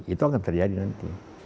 itu akan terjadi nanti